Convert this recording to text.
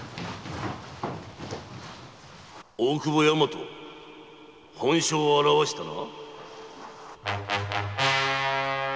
・大久保大和本性を現したな！